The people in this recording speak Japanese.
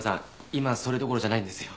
今それどころじゃないんですよ。